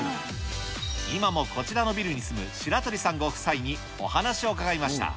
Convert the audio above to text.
今もこちらのビルに住む白鳥さんご夫妻にお話を伺いました。